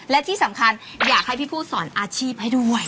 และที่สำคัญอยากให้พี่ผู้สอนอาชีพให้ด้วย